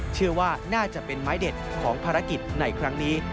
เชื่อว่าน่าจะเป็นไม้เด็ดของภารกิจในครั้งนี้